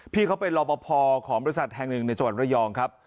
พี่เขาเป็นรอปภของบริษัทแห่งหนึ่งในจังหวัดระยองครับ